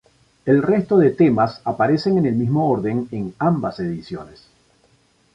El resto de temas aparecen en el mismo orden en ambas ediciones.